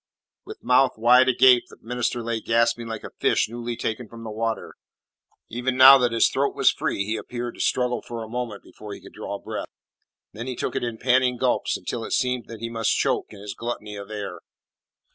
With mouth wide agape, the minister lay gasping like a fish newly taken from the water. Even now that his throat was free he appeared to struggle for a moment before he could draw breath. Then he took it in panting gulps until it seemed that he must choke in his gluttony of air.